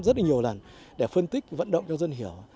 rất là nhiều lần để phân tích vận động cho dân hiểu